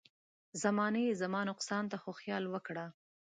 زمانې زما نقصان ته خو خيال وکړه.